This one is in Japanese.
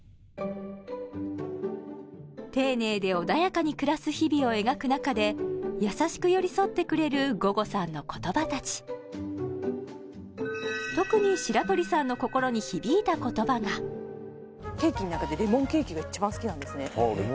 丁寧で穏やかに暮らす日々を描く中で優しく寄り添ってくれる午後さんの言葉達特にケーキの中でレモンケーキが一番好きなんですね